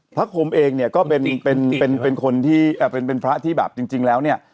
พระผมเองเนี้ยก็เป็นเป็นเป็นเป็นคนที่เอ่อเป็นเป็นพระที่แบบจริงจริงแล้วเนี้ย